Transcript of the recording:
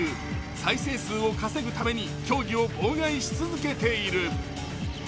再生数を稼ぐために競技を妨害し続けている。